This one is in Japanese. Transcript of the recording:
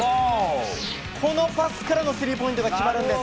このパスからのスリーポイントが決まるんです。